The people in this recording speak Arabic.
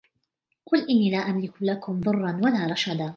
قل إني لا أملك لكم ضرا ولا رشدا